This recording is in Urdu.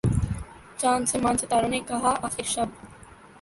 چاند سے ماند ستاروں نے کہا آخر شب